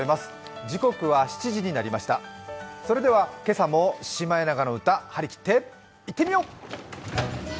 今朝も「シマエナガの歌」はりきっていってみよう！